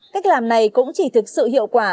cách làm này cũng chỉ thực sự hiệu quả